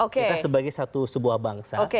kita sebagai sebuah bangsa